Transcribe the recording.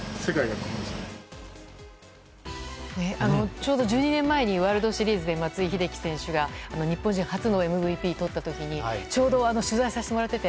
ちょうど１２年前にワールドシリーズで松井秀喜選手が日本人選手初のＭＶＰをとった時にちょうど取材させてもらってて。